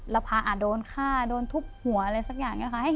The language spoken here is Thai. แล้วพาโดนฆ่าโดนทุบหัวอะไรสักอย่างนี้ค่ะ